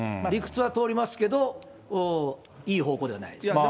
理屈は通りますけど、いい方向ではないですね。